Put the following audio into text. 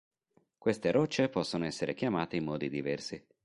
Queste rocce possono essere chiamate in modi diversi.